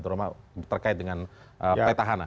terutama terkait dengan peta hana